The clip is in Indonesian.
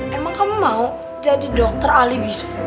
kan emang kamu mau jadi dokter ahli bisnis